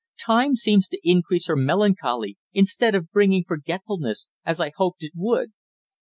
Time seems to increase her melancholy, instead of bringing forgetfulness, as I hoped it would."